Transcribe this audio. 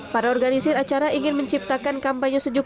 para organisir acara ingin menciptakan kampanye sejuk